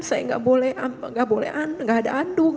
saya gak boleh gak boleh ada andu gak boleh mandi gak boleh berlutut